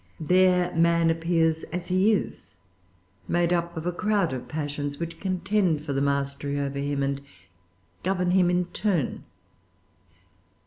There man appears as he is, made up of a crowd of passions, which contend for the mastery over him, and govern him in turn.